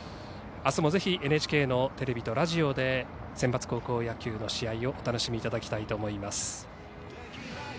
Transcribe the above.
あすもぜひＮＨＫのテレビとラジオでセンバツ高校野球の試合をお楽しみいただきたいと思います。